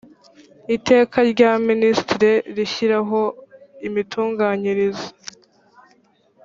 iteka rya minisitiri rishyiraho imitunganyirize